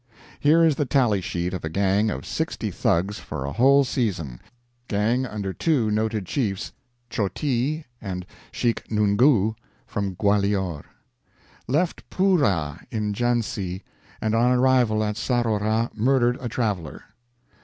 Here is the tally sheet of a gang of sixty Thugs for a whole season gang under two noted chiefs, "Chotee and Sheik Nungoo from Gwalior": "Left Poora, in Jhansee, and on arrival at Sarora murdered a traveler.